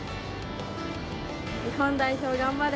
日本代表頑張れ！